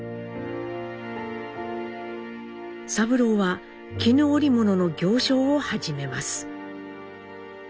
三郎は絹織物の行商を始めます。